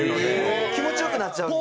気持ち良くなっちゃう。